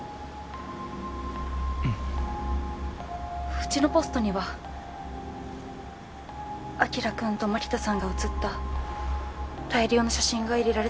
うちのポストには晶くんと槙田さんが写った大量の写真が入れられてた。